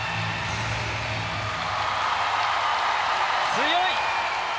強い。